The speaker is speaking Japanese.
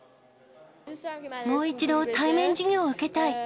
もう一度、対面授業を受けたい。